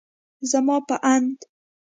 زما په اند